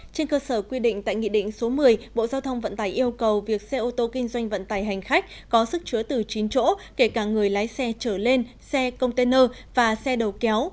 trên cơ sở quy định tại nghị định số một mươi bộ giao thông vận tải yêu cầu việc xe ô tô kinh doanh vận tải hành khách có sức chứa từ chín chỗ kể cả người lái xe trở lên xe container và xe đầu kéo